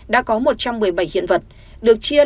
đã có một trăm một mươi bảy hiện vật được chia